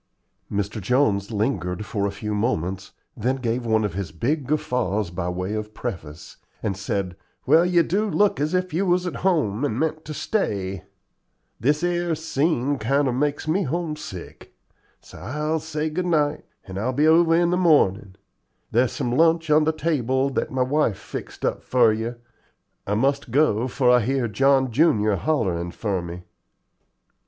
Mr. Jones lingered for a few moments, then gave one of his big guffaws by way of preface, and said: "Well, you do look as if you was at home and meant to stay. This 'ere scene kinder makes me homesick; so I'll say good night, and I'll be over in the mornin'. There's some lunch on the table that my wife fixed up for you. I must go, for I hear John junior hollerin' for me."